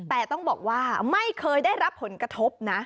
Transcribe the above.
แต่ต้องบอกว่าไม่เคยได้รับผลกระทบนะ